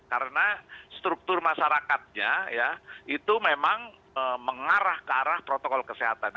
karena struktur masyarakatnya ya itu memang mengarah ke arah protokol kesehatan